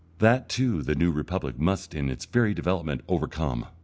That too the New Republic must in its very development overcome.